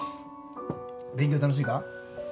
勉強楽しいか？